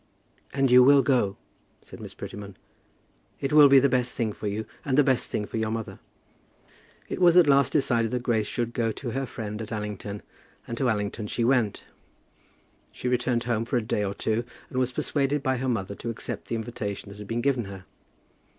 "And you will go," said Miss Prettyman. "It will be the best thing for you, and the best thing for your mother." It was at last decided that Grace should go to her friend at Allington, and to Allington she went. She returned home for a day or two, and was persuaded by her mother to accept the invitation that had been given her.